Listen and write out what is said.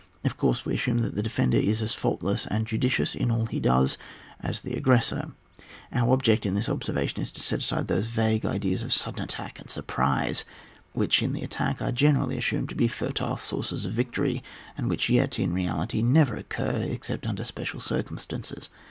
Of course, we assume that the defender is as faultless and judicious in all he does as the aggressor. Our object in this obser vation is to set aside those vague ideas of sudden attack and surprise, which, in the attack, are generally assumed to be fer tile sources of victory, and which yet, in reality, never occur except under special circumstances.